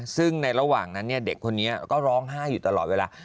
ซึ่งในระหว่างนั้นเด็กคนนี้ก็ร้องไห้อยู่ตลอดเวลา